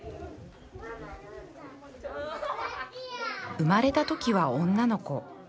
生まれたときは女の子